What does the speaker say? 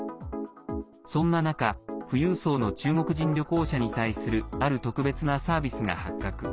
そんな中富裕層の中国人旅行者に対するある特別なサービスが発覚。